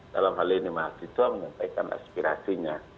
dalam hal ini mahasiswa menyampaikan aspirasinya